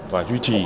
và duy trì